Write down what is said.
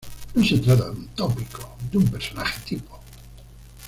No se trata de un tópico, de un personaje tipo.